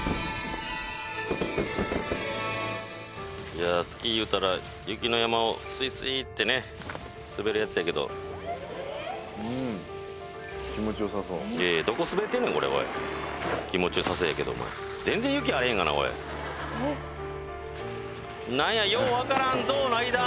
いやあスキーいうたら雪の山をスイスイってね滑るやつやけどどこ滑ってんねんこれおい気持ちよさそうやけど全然雪あれへんがなおい何やよう分からん像の間！